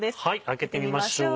開けてみましょう。